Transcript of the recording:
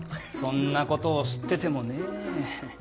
そんな事を知っててもねえ。